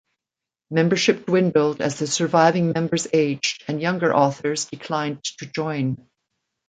Membership dwindled as the surviving members aged and younger authors declined to join.